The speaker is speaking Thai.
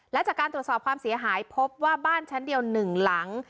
และจากการตรวจสอบความเสียหายพบว่าบ้านชั้นเดียว๑หลัง